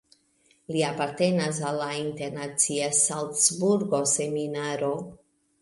Li apartenas al la internacia Salcburgo-Seminaro.